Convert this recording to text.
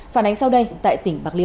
phản ánh sau đây tại tỉnh bạc liêu